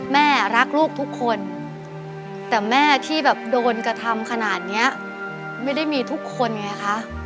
แม่รักลูกทุกคนแต่แม่ที่แบบโดนกระทำขนาดเนี้ยไม่ได้มีทุกคนไงคะ